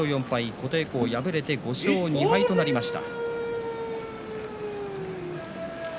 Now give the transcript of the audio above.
琴恵光は５勝２敗となりました。